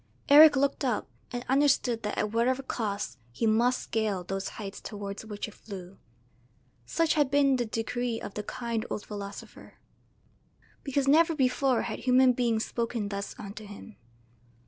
Eric looked up and understood that at whatever cost he must scale those heights towards which it flew. Such had been the decree of the kind old philosopher. Firm was his resolution to obey him in everything, because never before had human being spoken thus unto him.